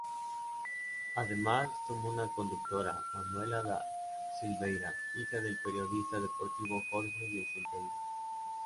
Además sumó una conductora, Manuela da Silveira, hija del periodista deportivo Jorge da Silveira.